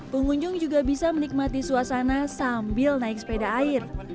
pengunjung juga bisa menikmati suasana sambil naik sepeda air